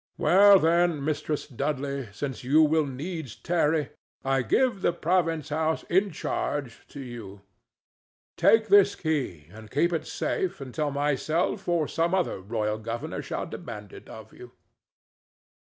—Well, then, Mistress Dudley, since you will needs tarry, I give the province house in charge to you. Take this key, and keep it safe until myself or some other royal governor shall demand it of you."